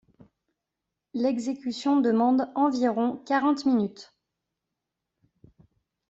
L'exécution demande environ quarante minutes.